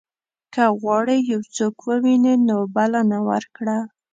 که غواړې یو څوک ووینې نو بلنه ورکړه.